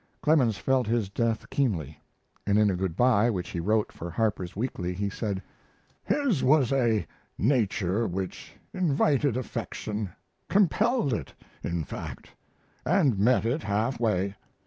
Clemens felt his death keenly, and in a "good by" which he wrote for Harper's Weekly he said: His was a nature which invited affection compelled it, in fact and met it half way.